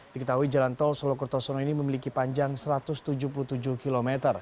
diketahui jalan tol solo kertosono ini memiliki panjang satu ratus tujuh puluh tujuh km